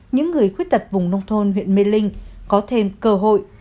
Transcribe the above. những người khuyết tật vùng nông thôn huyện mê linh có thêm cơ hội